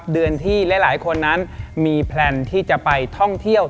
เดือนที่หลายคนนั้นมีแพลนที่จะไปท่องเที่ยว